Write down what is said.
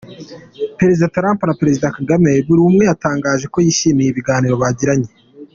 Perezida Trump na Perezida Kagame buri umwe yatangaje ko yishimiye ibiganiro bagiranye.